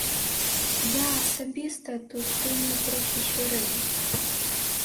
Я асабіста тут думаю трохі шырэй.